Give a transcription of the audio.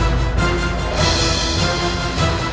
nanti aku akan mengatakan